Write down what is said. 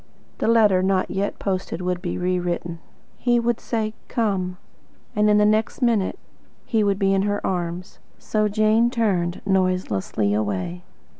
The letter, not yet posted, would be rewritten. He would say "COME" and the next minute he would be in her arms. So Jane turned noiselessly away.